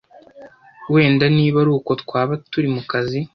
wenda niba ari uko twabaga turi mu kazi